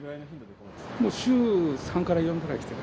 もう週３から４くらい来てる。